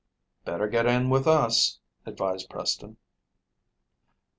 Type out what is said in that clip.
"Better get in with us," advised Preston.